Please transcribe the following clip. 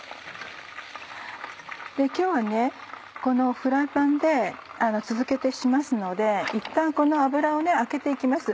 今日はこのフライパンで続けてしますのでいったんこの油をあけて行きます。